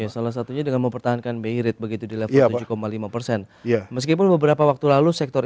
salah satunya dengan mempertahankan bayret begitu di level lima meskipun beberapa waktu lalu sektor